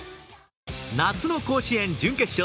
夏の甲子園準決勝。